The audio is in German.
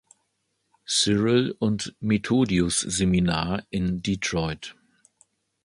Cyril und Methodius Seminar" in Detroit.